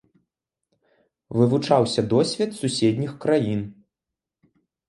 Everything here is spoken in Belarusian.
Вывучаўся досвед суседніх краін.